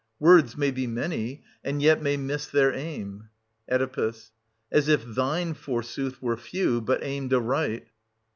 Words may be many, and yet may miss their aim. Oe. As if thine, forsooth, were few, but aimed aright.